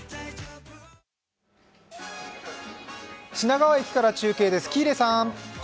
品川駅から中継です。